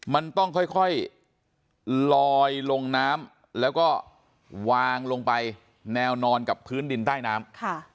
มันต้องค่อยลอยลงน้ำแล้วก็วางลงไปแนวนอนกับพื้นดินใต้น้ำ